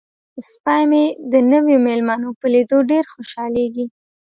سپی مې د نویو میلمنو په لیدو ډیر خوشحالیږي.